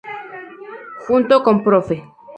Junto con prof.